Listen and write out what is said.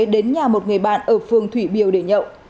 đến nhà một người bạn ở phường thủy biều để nhậu